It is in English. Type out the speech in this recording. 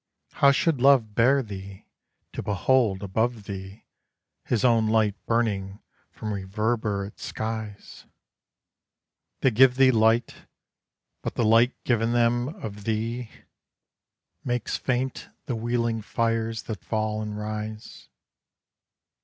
How should love bear thee, to behold above thee His own light burning from reverberate skies? They give thee light, but the light given them of thee Makes faint the wheeling fires that fall and rise.